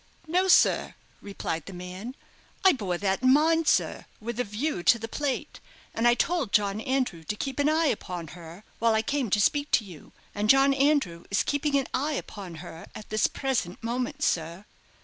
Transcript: "No, sir," replied the man. "I bore that in mind, sir, with a view to the plate, and I told John Andrew to keep an eye upon her while I came to speak to you; and John Andrew is keeping an eye upon her at this present moment, sir."